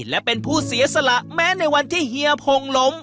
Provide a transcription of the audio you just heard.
และเป็นผู้เสียสละแม้ในวันที่เฮียพงล้ม